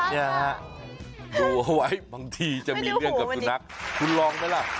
เนี่ยฮะดูเอาไว้บางทีจะมีเรื่องกับสุนัขคุณลองไหมล่ะ